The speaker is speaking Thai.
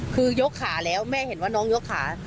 คือยกขาแล้วแม่เห็นว่าน้องยกขา